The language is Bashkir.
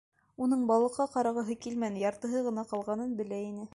Уның балыҡҡа ҡарағыһы килмәне, яртыһы ғына ҡалғанын белә ине.